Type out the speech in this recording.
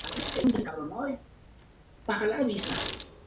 Es una pequeña planta arbustiva suculenta.